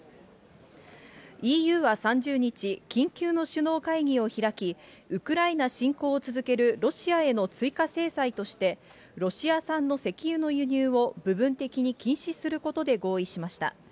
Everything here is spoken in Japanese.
ＥＵは３０日、緊急の首脳会議を開き、ウクライナ侵攻を続けるロシアへの追加制裁として、ロシア産の石油の輸入を部分的に禁止することで合意しました。